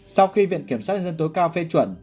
sau khi viện kiểm soát điều tra tội cao phê chuẩn